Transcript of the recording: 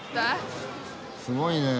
すごいねえ！